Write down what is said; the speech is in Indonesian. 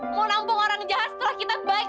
mau nampung orang jahat setelah kita baik